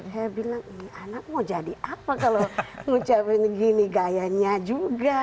saya bilang ini anak mau jadi apa kalau ngucapin gini gayanya juga